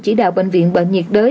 chỉ đạo bệnh viện bệnh nhiệt đới